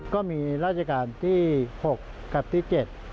ก็มีราชการที่๖กับที่๗